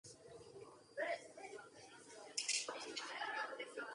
Lee's friend Chelsea Clinton was one of the bridesmaids.